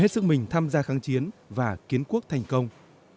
hết sức mình tham gia kháng chiến và kiến quốc thành công